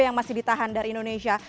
yang masih ditahan dari indonesia